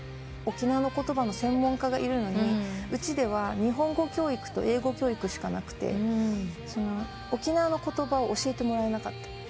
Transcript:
沖縄の言葉の専門家がいるのにうちでは日本語教育と英語教育しかなくて沖縄の言葉を教えてもらえなかった。